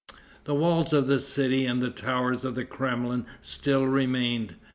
The walls of the city and the towers of the Kremlin still remained.